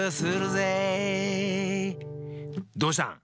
どうしたん？